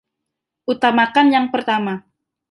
Utamakan yang pertama.